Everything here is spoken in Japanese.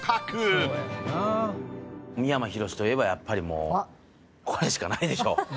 三山ひろしといえばやっぱりもうこれしかないでしょ。